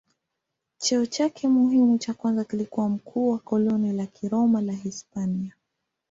Cheo chake muhimu cha kwanza kilikuwa mkuu wa koloni la Kiroma la Hispania.